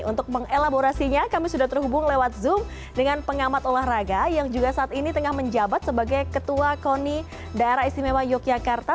untuk mengelaborasinya kami sudah terhubung lewat zoom dengan pengamat olahraga yang juga saat ini tengah menjabat sebagai ketua koni daerah istimewa yogyakarta